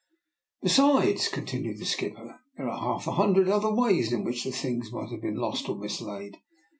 " Besides," continued the skipper, " there are half a hundred other ways in which the things might have been lost or mislaid.